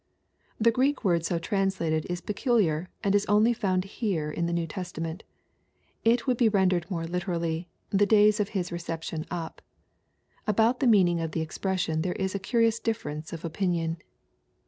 ] The Greek word so translated is peculiar, and is only found here in the New Testa ment It would be rendered more literally, ''the days of his reception up." About the meaning of the expression there is a curious difference of opinion.